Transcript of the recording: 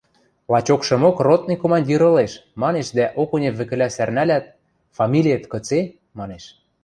– Лачокшымок ротный командир ылеш, – манеш дӓ Окунев вӹкӹлӓ сӓрнӓлят: – Фамилиэт кыце? – манеш.